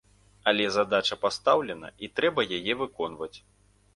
Але задача пастаўлена, і трэба яе выконваць.